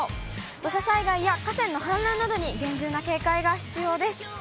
土砂災害や河川の氾濫などに厳重な警戒が必要です。